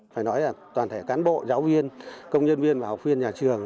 phải nói là toàn thể cán bộ giáo viên công nhân viên và học viên nhà trường